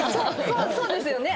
そうですよね！